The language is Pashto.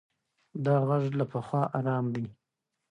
دا غږ له پخوا ارام دی.